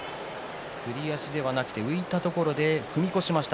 すり足ではなく浮いたどころで踏み越しました。